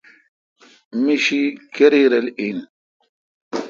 می شی کری رل این۔